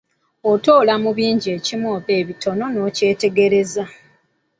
Otoola mu bingi ekimu oba ebitono n'obyetegereza.